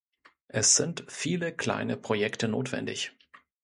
Es sind viele kleine Projekte notwendig.